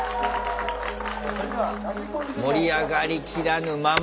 盛り上がりきらぬまま。